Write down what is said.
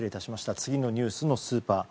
次のニュースのスーパーが。